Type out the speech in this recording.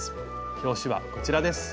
表紙はこちらです。